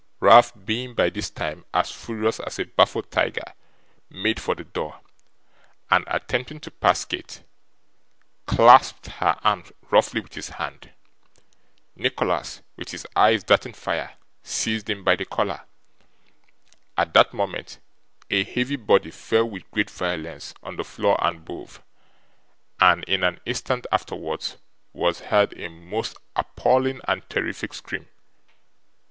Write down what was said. Ralph being, by this time, as furious as a baffled tiger, made for the door, and, attempting to pass Kate, clasped her arm roughly with his hand. Nicholas, with his eyes darting fire, seized him by the collar. At that moment, a heavy body fell with great violence on the floor above, and, in an instant afterwards, was heard a most appalling and terrific scream.